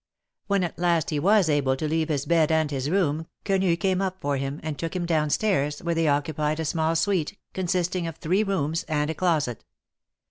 When at last he was able to leave his bed . and his room, Quenu came up for him, and took him down stairs, where they occupied a small suite, consisting of three rooms and a closet.